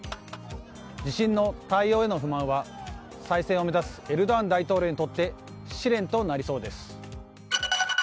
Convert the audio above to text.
地震の対応への不満は再選を目指すエルドアン大統領にとって試練となりそうです。